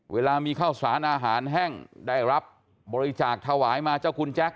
เวลามีข้าวสารอาหารแห้งได้รับบริจาคถวายมาเจ้าคุณแจ็ค